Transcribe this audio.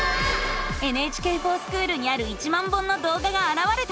「ＮＨＫｆｏｒＳｃｈｏｏｌ」にある１万本のどうががあらわれたよ。